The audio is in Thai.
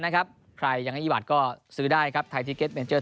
นะครับใครยังให้อีบาทก็ซื้อได้ครับไทยทิเก็ตเมนเจอร์